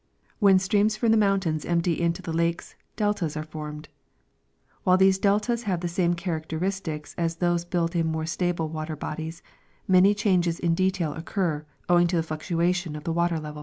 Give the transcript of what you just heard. When streams from the mountains empty into the lakes, deltas are formed. While these deltas have the same char acteristics as those built in more stable water bodies, many changes in detail occur, owing to the fluctuation of the water level.